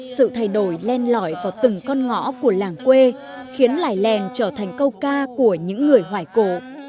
sự thay đổi len lõi vào từng con ngõ của làng quê khiến lại lèng trở thành câu ca của những người hoài cổ